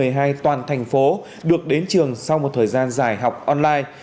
học sinh khối một mươi hai toàn thành phố được đến trường sau một thời gian dài học online